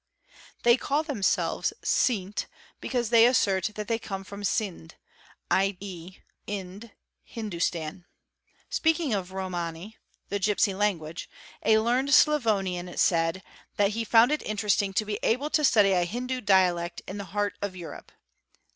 They call themselves Sint because they assert that they come from Sind, 7.e., Ind (Hindustan, Speaking of Romany (the Gipsy language) a learned Slavonian said the he found it interesting to be able to study a Hindu dialect in the heé of Europe.